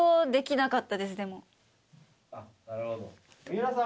なるほど。